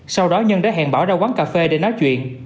sau đó nhân đã hẹn bỏ ra quán cà phê để nói chuyện